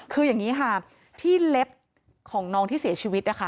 คืออย่างนี้ค่ะที่เล็บของน้องที่เสียชีวิตนะคะ